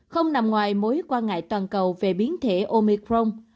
không nằm ngoài mối quan ngại toàn cầu về biến thể omicron